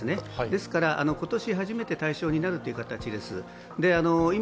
ですから今年初めて対象になるという形です。